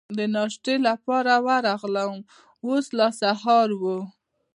د ناشتې لپاره ورغلم، اوس لا سهار و.